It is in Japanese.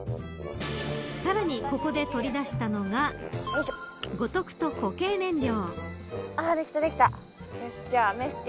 さらに、ここで取り出したのが五徳と固形燃料。